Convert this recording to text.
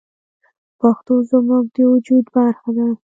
پښتو زموږ د وجود برخه ده.